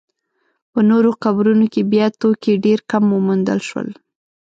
په نورو قبرونو کې بیا توکي ډېر کم وموندل شول.